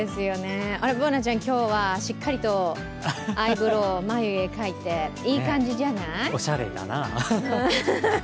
Ｂｏｏｎａちゃん、今日はしっかりアイブロー、眉毛を描いていい感じじゃない？